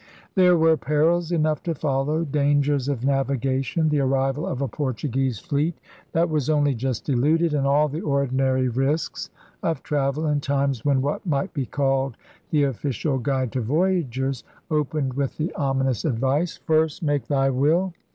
There were perils enough to follow: dangers of na\'igation, the arrival of a Portu guese fleet that was only just eluded, and all the ordinary risks of travel in times when what might be called the official guide to voyagers opened with the ominous ad\'ice, First make iky Will.